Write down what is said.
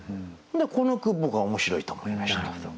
この句僕は面白いと思いました。